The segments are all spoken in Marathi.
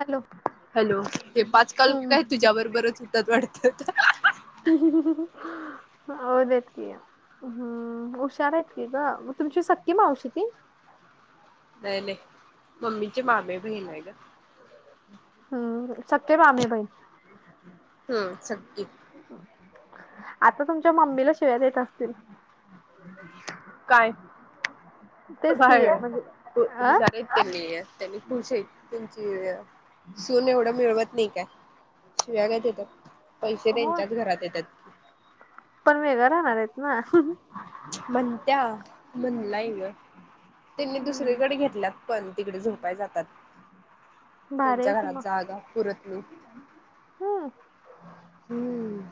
हॅलो हॅलो ते पाचकाल हम्म काय तुझ्या बरोबरच होतात वाटतात ह [inaudible] हो देत की हम्म हुशार आहेत की गं तुमची सख्खी मावशी ती नाही ले मम्मीची मामी बहीण आहे गं हम्म सख्खी मामी बहिण हम्म सख्खी आता तुमच्या मम्मीला शिव्या देत असतील काय तेच की बाहेर म्हणजे अ जागे केली त्यांनी खुश आहे त्यांची सून एवढं मिळवत नाही काय शिव्या काय देत्यात पैसे हो त्यांच्याच घरात येतात पण वेगळं राहणार आहेत ना म्हणत्या म्हणलाय गं त्यांनी हम्म दुसरीकडे घेतल्या पण तिकडे झोपाय जातात भारी आहे त्यांच्या घरात जागा पुरत नाही ह हम्म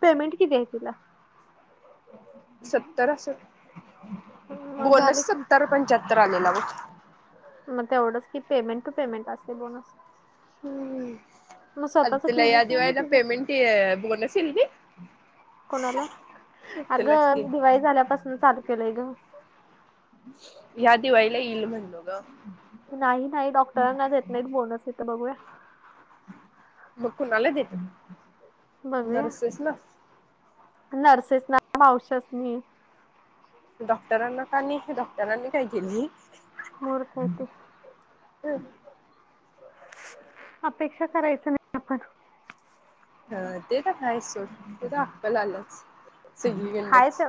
पेमेंट किती हाय तुला सत्तर हम्म, असलं मग झालं बोनस की सत्तर पंच्याहत्तर आलेला होत मग तेवढंच की पेमेंट टू पेमेंट असतय बोनस मग हम्म स्वतःच तुला या क्लिनिक नाही आहे दिवाळीला तुझं पेमेंट बोनस येईल ना कोणाला अगं की मी दिवाळी झाल्यापासून चालू केलंय ग ह्या दिवाळीला येईल म्हणलो ग नाही नाही डॉक्टरांना देत नाहीत बोनस येत बघूया बकू नलादेत बघ नर्सेस ना मावशसनी डॉक्टरांना का नाही हे डॉक्टरांनी काय केली मोर काय ते अ अपेक्षा करायचं नाही आपण ह ते तर आहेच सोड ते तर अक्कल आल्याचं हायत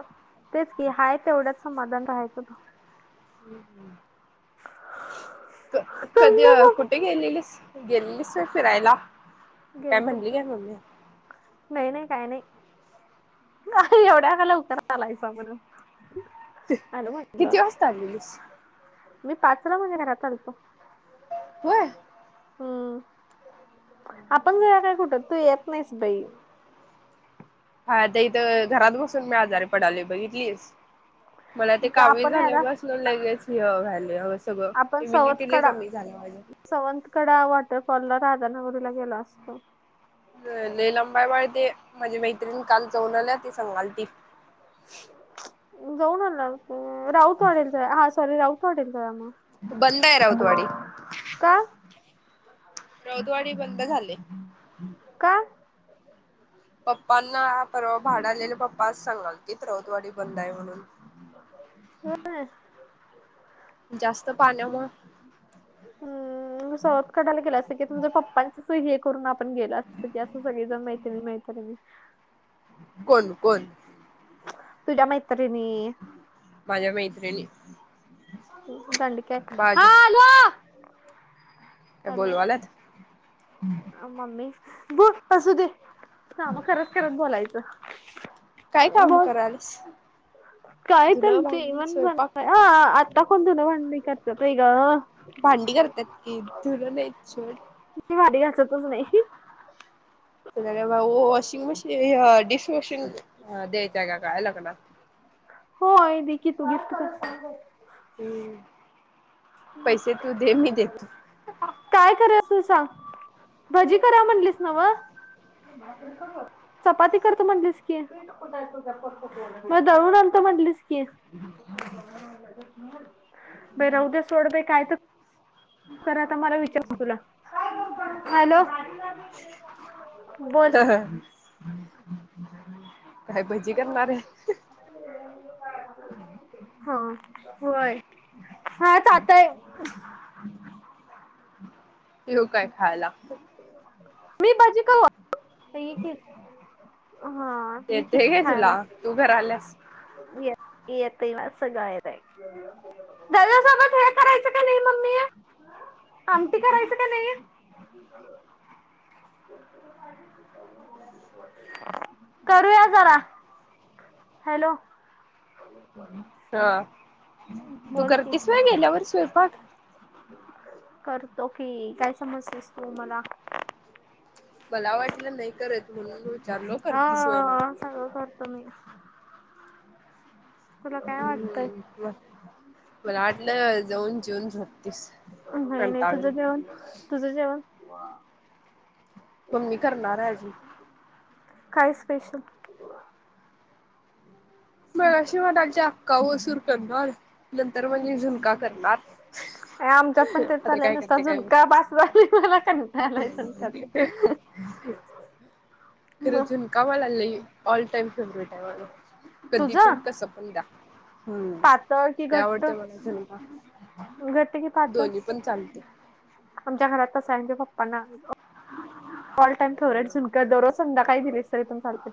तेच की हाय तेवढंच समाधान राहायचं त हम्म हम् [inaudible] कधी तो कुठे गेलेलीस गेलीस फिरायला काय गेलत म्हणली की काय मम्मी नाही नाही काय नाही नाही एवढ्या खाल उतर आलायफ म्हण किती वाजता आस मी पाचरा घरात आलतो होय हम्म आपण ज काय कुठं तू येत नाहीस बाई हाता इथं घरात बसून मी आजारी पडाली बघितलीस मला ते जा कावीळ आपण झाले याला बस लगेच वले सगळं इम्युनिटी कमी झालं म्हणजे सवंतकडा वॉटरफॉलला राधानगरीला गेला असतो ले लंबाई बाळ ते माझे मैत्रिणी काल जाऊन आल्या ते सांगालती जाऊन आला राऊत वाडी ला हा सॉरी राऊत वाडी ला तय मग बंदय राऊत वाडी का रौदवाडी बंद झाले का पप्पांना परवा भाड आलेले पप्पाच सांगाल की राऊत वाडी बंद आहे म्हणून हा जास्त पाण्यामुळे ह सावत कढायला गेलं असं की तुमच्या पप्पांच स हे करून आपण गेलं असत की असं सगळे जण माहित मा कोण कोण तुजा मैत्रीणे माझ्या मैत्रिणी दंड काय बाज हा आलो काय बोलावल्यात मम्मी ब असू दे का म खरत करत बोलायचं काय काम बोल करालस काय त्यांची म्हण ब आता कोण धून भांडी करतात आहे ग भांडी करतात की धुर नाही छट क वाारी घालच तुच नाही बा वॉशिंग मशीन डिश वॉशिंग द्यायचंय का काय लग्न हो दे की तू घसस हम् ह मला देतो काय करा अस सांग भजी करा म्हटलीस ना वा चपाती करतो म्हटलीस की मग दळून अणतोत म्हटलीस की बे रौद्या सोड बयत खरा आता मला विचारत तुला हॅलो बोल ह ह काय भजी करणार आहे हो हा होय हा तर आताय ह येव काय खायला मी भाजी का हा ते ये ते घे तुला तू घर आल्यास त मा असं गायर आहे. घरासोबत हे करायचं का नाही मम्मी. आमटी करायचं का नाही. [unintelligible] करूया जरा हॅलो. हा तू बोल की करतीस गेल्यावर स्वयंपाक. करतो कि काय समज अस तो मला. मला वाटलं नाही करत म्हणून विचारलो करती सोय म्हणून. तमीही. तुला काय वाटतंय? म मला आटलं जाऊन जून छत्तीस. नाही नाही तुझं जेवण तुझ जेवण. मम्मी करणार आहेजी. काय स्पेशल. हम्. मग अशी मलागचे अक्का वसूर करणार नंतर म्हजे झुणका करणार. आमच्यात पण तेच आता चाललंय काय नुसता करते काय. झुणका बास झाली मला कंटाळा आलाय झुणक्याचा. ह [inaudible] म. कामालालं ऑल टाईम फेवरेट आहे मला कधी तुझं पण कसं पण दा हम्म पातळ कि ते घट्ट? आवडते मला सल घट्ट की पातळ? दो्ही पण चालते. आमच्या घरात तस आहेयज पप्पांना. ऑल टाइम फेवरेट झुनकर दरोज संदा काय दिलीस तरी तम चालते.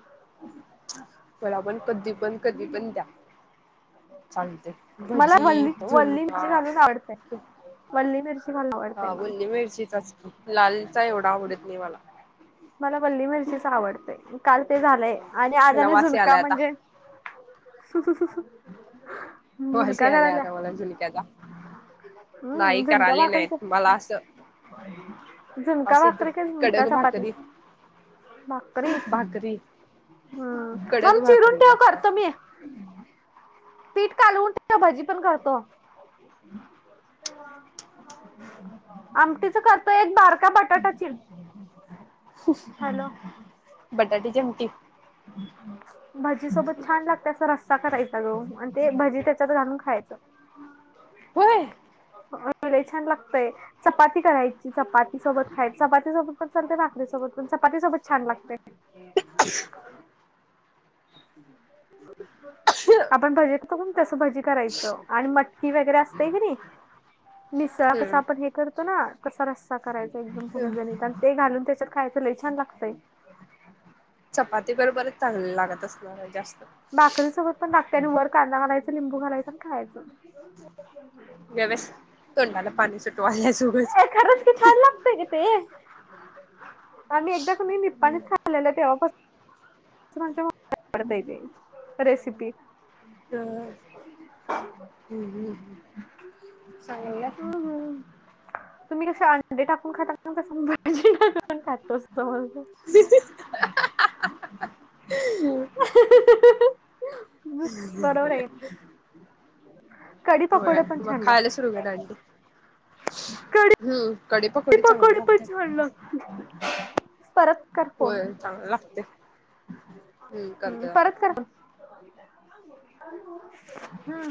बला पण कधी पण कधी पण द्या. चालते मला भजी वल्ली वल्ली झुणका मिरची घालून आवडते. खूप. वल्ली मिरची घालून आवडते हा मला. वली मिरचीचाच लालचा एवढा आवडत नाही मला मला वल्ली मिरचीच आवडतय काल ते झालंय आणि आज मला आणि वास झुलका यायलाय आता. म्हणजे. सु स सुस हम् वास निनका यायलाय कढला. आता मला झुणक्याचा. नाही हम्म झुणका करायले भाकणच्या नाहीत मला असं झुणका असे भाकरी का झुनका कडक चपाती. भाकरी री भाकरी हम् मग कडक चिरून भाकरी ठेव लागतात. करतो मी. पीठ कालवून ठ भाजी पण करतो. हम. हम्. आमटीच करतोय एक बारका बटाटा चिर हॅलो. बडाडी जेमती. हम्म. भजी सोबत छान लागते. अस रस्सा करायचा ग ते भजी त्याच्यात घालून खायचं. हम्. हेय छान लागतयं चपाती करायची. चपाती सोबत खायचं पण चपाती सोबत छान लागते. ह, आपण भाजीतो कोण तस भाजी. करायचं आणि मटकी वगैरे असते की नाही मिसळ कस हम्म आपण हे करतो ना. कसा रस्सा करायचा एकदम समज नाही आणि ते घालून त्याच्यात खायचं लय छान लागतंय. चपाती ब बरच चांगले लागत असणार जास्त बाकरी सोबत पण नागत्या आणि वर कांदा घालायच लिंबू घालायचं आणि खायचं. [unintelligible] गप बस तोंडाला पाणी सुटवाल्यास उगच ए खरंच छान लागत ते आम्ही एकदा कोणी नि पप्पा खाल्लेलं तेव्हापासून आवडता [inaudible] येते रेसिपी. तर हु ह्. ह, ह, तुम्ही कसे अंडे टाकून खाताना तसं भाजी खातो ना मंग बस [unintelligible] [unintelligible] हम बरोबर आहे ह कढी [inaudible] होय पकोडे पण मगं छान खायला लागते. सुरू केला अंडे. कढी हम्म कडी पकडी चांगली पकोडे पण लागतातं. छान लागते. परत कर फोन होय चांगलं लागते हु करतंय. हम,